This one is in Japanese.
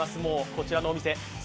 こちらのお店。